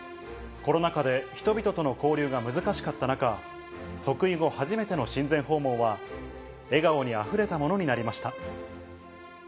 コロナ禍で人々との交流が難しかった中、即位後初めての親善訪問は、笑顔にあふれたものになりました。